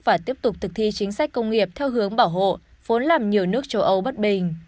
và tiếp tục thực thi chính sách công nghiệp theo hướng bảo hộ vốn làm nhiều nước châu âu bất bình